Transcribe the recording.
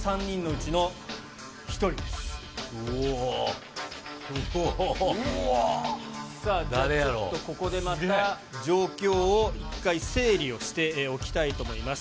ちょっとここでまた、状況を１回整理をしておきたいと思います。